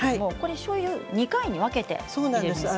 しょうゆを２回に分けて入れるんですね。